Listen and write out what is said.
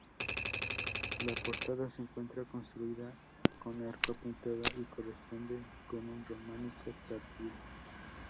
La portada se encuentra construida con arco apuntado y corresponde con un románico tardío.